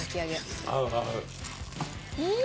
うん！